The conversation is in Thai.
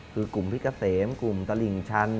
คือกลุ่มพี่เกษมกลุ่มตลิ่งชัน